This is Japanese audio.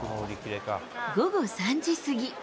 午後３時過ぎ。